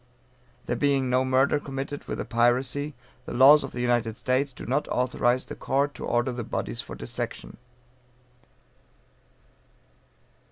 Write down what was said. There being no murder committed with the piracy, the laws of the United States do not authorize the court to order the bodies for dissection.